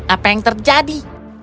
apa yang terjadi